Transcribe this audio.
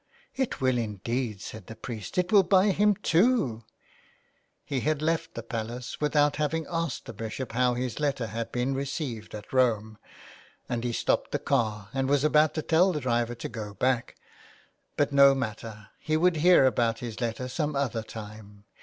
*'It will indeed," said the priest, "it will buy him two !" He had left the palace without having asked the Bishop how his letter had been received at Rome, and he stopped the car, and was about to tell the driver to go back. But no matter, he would hear about his letter some other time.